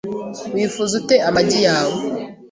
Wifuza ute amagi yawe?